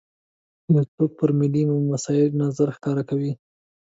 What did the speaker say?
یو څوک پر ملي مسایلو نظر ښکاره کوي.